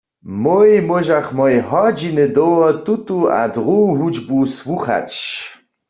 Mój móžachmoj hodźiny dołho tutu a druhu hudźbu słuchać.